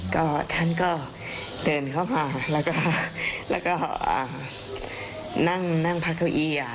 ก็ท่านก็เดินเข้ามาแล้วก็นั่งพักเก้าอี้